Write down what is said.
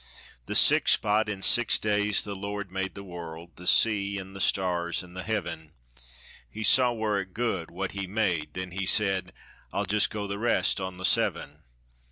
The 'six spot,' in six days the Lord made the world, The sea, and the stars in the heaven; He saw it war good w'at he made, then he said, 'I'll jist go the rest on the "seven."